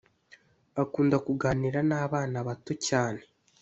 Akunda kuganira nabana bato cyane